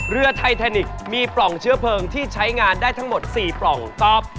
เรือไทแทนิกมีปล่องเชื้อเพลิงที่ใช้งานได้ทั้งหมด๔ปล่องตอบ